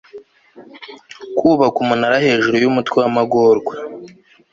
kubaka umunara hejuru yumutwe wamagorwa